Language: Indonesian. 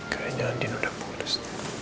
kayaknya andin udah pulus